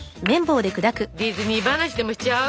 ディズニー話でもしちゃう？